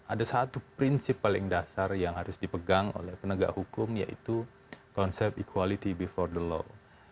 ada satu prinsip paling dasar yang harus dipegang oleh penegak hukum yaitu konsep equality before the law